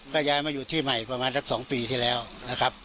ก็ย้ายมาอยู่ที่ใหม่ประมาณสัก๒ปีที่แล้วนะครับ